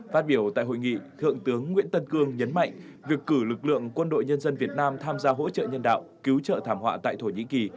phát biểu tại hội nghị thượng tướng nguyễn tân cương nhấn mạnh việc cử lực lượng quân đội nhân dân việt nam tham gia hỗ trợ nhân đạo cứu trợ thảm họa tại thổ nhĩ kỳ